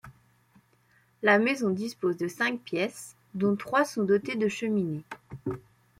La maison dispose de cinq pièces, dont trois sont dotées de cheminées.